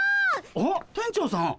あっ店長さん。